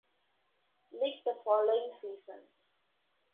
Lig the following season.